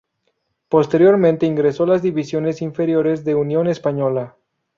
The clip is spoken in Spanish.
Posteriormente ingresó a las divisiones inferiores de Unión Española.